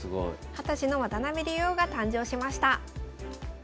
二十歳の渡辺竜王が誕生しました。